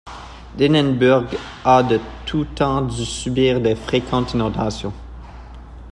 Dennenburg a de tout temps dû subir des fréquentes inondations.